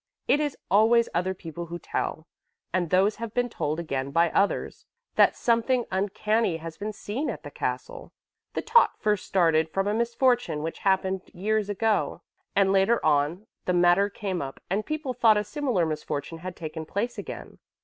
It is always other people who tell, and those have been told again by others, that something uncanny has been seen at the castle. The talk first started from a misfortune which happened years ago, and later on the matter came up and people thought a similar misfortune had taken place again.